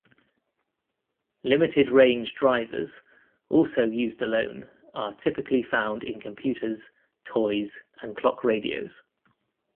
Limited-range drivers, also used alone, are typically found in computers, toys, and clock radios.